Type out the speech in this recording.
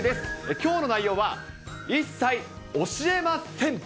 きょうの内容は、一切教えません。